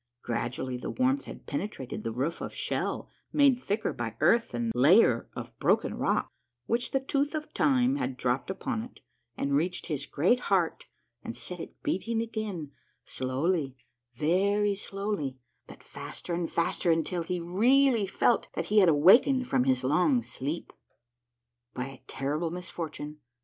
Gradually the warmth had penetrated the roof of shell made thicker by earth and layem of broken rock, which the tooth of time had dropped upon it, and reached his great heart, and set it beating again slowly, very slowly, but faster and faster, until he really felt that he had awakened from his long sleep. By a terrible misfortune.